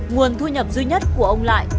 nguồn thu nhập duy nhất của ông lại